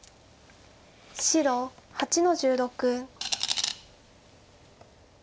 白８の十六。